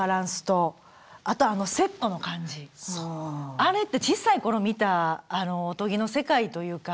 あれってちっさい頃見たおとぎの世界というか